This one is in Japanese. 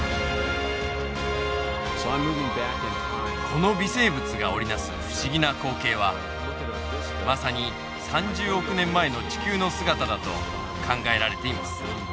この微生物が織り成す不思議な光景はまさに３０億年前の地球の姿だと考えられています。